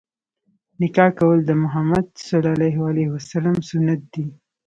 نکاح کول د مُحَمَّد ﷺ سنت دی.